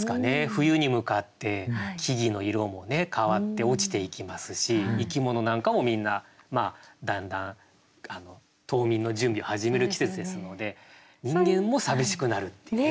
冬に向かって木々の色も変わって落ちていきますし生き物なんかもみんなだんだん冬眠の準備を始める季節ですので人間も寂しくなるっていうね。